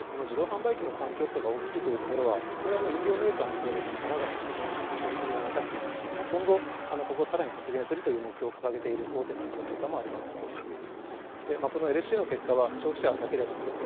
この自動販売機の環境負荷が大きいというところでは、飲料メーカーのほうでもさまざま削減の取り組みがなされていますし、今後、ここさらに削減するという目標を掲げている大手の飲料メーカーもここを削減すると。